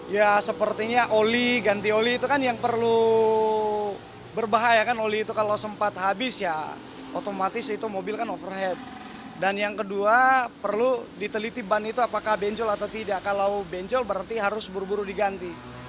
ya sepertinya oli ganti oli itu kan yang perlu berbahaya kan oli itu kalau sempat habis ya otomatis itu mobil kan overhead dan yang kedua perlu diteliti ban itu apakah benjol atau tidak kalau benjol berarti harus buru buru diganti